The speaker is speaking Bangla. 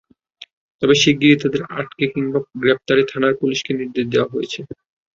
তবে শিগগিরই তাঁদের আটক কিংবা গ্রেপ্তারে থানার পুলিশকে নির্দেশ দেওয়া হয়েছে।